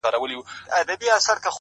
• ویل وایه که ریشتیا در معلومیږي ,